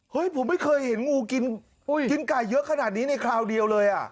ผมไม่เคยเห็นงูกินไก่เยอะขนาดนี้ในคราวเดียวเลยอ่ะ